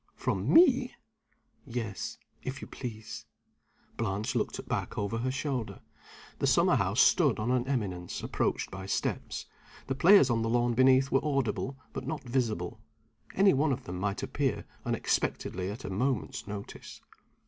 "From me?" "Yes if you please." Blanche looked back over her shoulder. The summer house stood on an eminence, approached by steps. The players on the lawn beneath were audible, but not visible. Any one of them might appear, unexpectedly, at a moment's notice.